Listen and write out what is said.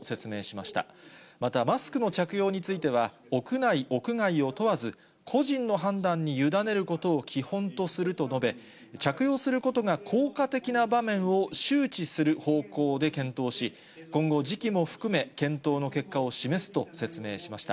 また、マスクの着用については、屋内、屋外を問わず、個人の判断に委ねることを基本とすると述べ、着用することが効果的な場面を周知する方向で検討し、今後、時期も含め、検討の結果を示すと説明しました。